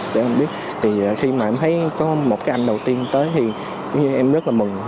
không biết thì khi mà em thấy có một cái anh đầu tiên tới thì em rất là mừng